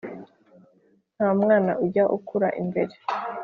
ntamwana ujya ukura imbere